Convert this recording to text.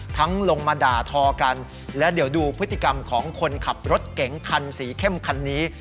ลงมาด่าทอกันและเดี๋ยวดูพฤติกรรมของคนขับรถเก๋งคันสีเข้มคันนี้